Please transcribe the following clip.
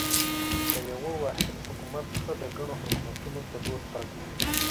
له یوه واحد حکومت څخه د ګڼو حکومتونو په لور تګ و.